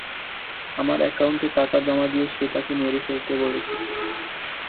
আমার অ্যাকাউন্টে টাকা জমা দিয়ে সে তাকে মেরে ফেলতে বলেছে।